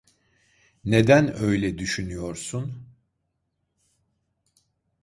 Neden öyle düşünüyorsun?